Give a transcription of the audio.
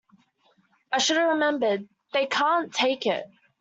I should have remembered, they can't take it.